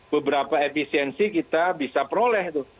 beberapa efisiensi kita bisa peroleh tuh